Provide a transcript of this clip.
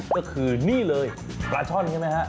ก็คือนี่เลยปลาช่อนใช่ไหมฮะ